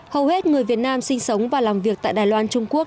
hầu hết người việt nam sinh sống và làm việc tại đài loan trung quốc